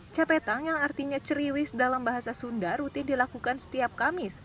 capetang yang artinya ceriwis dalam bahasa sunda rutin dilakukan setiap kamis